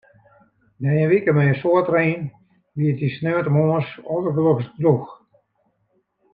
Nei in wike mei in soad rein wie it dy sneontemoarns aldergelokst drûch.